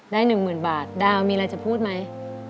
ได้๑หมื่นบาทดาวมีอะไรจะพูดไหม